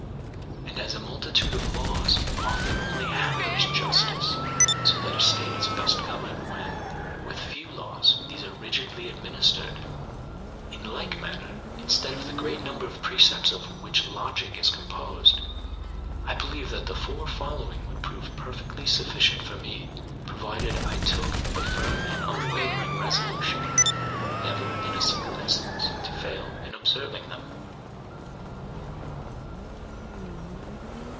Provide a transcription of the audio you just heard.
And as a multitude of laws often only hampers justice, so that a state is best governed when, with few laws, these are rigidly administered; in like manner, instead of the great number of precepts of which logic is composed, I believed that the four following would prove perfectly sufficient for me, provided I took the firm and unwavering resolution never in a single instance to fail in observing them.